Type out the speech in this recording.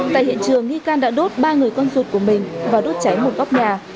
tại hiện trường nghi can đã đốt ba người con ruột của mình và đốt cháy một góc nhà